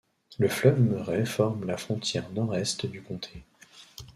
Le fleuve Murray forme La frontière nord-est du Comté.